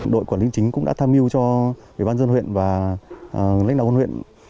đội quản lý chính cũng đã tham mưu cho ủy ban dân huyện và lãnh đạo con huyện